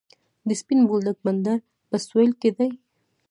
د سپین بولدک بندر په سویل کې دی